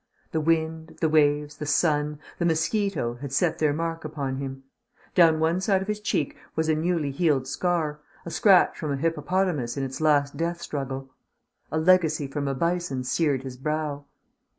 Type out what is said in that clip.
The wind, the waves, the sun, the mosquito had set their mark upon him. Down one side of his cheek was a newly healed scar, a scratch from a hippopotamus in its last death struggle. A legacy from a bison seared his brow.